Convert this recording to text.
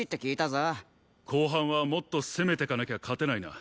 後半はもっと攻めていかなきゃ勝てないな。